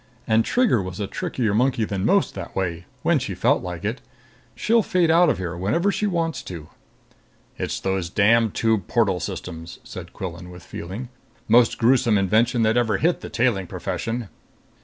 And Trigger was a trickier monkey than most that way, when she felt like it. She'll fade out of here whenever she wants to." "It's those damn tube portal systems!" said Quillan, with feeling. "Most gruesome invention that ever hit the tailing profession."